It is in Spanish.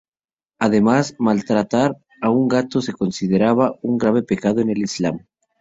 Además, maltratar a un gato se consideraba un grave pecado en el islam.